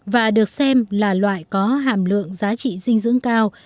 và được xem là loại có hàm lượng giá trị dinh dưỡng cao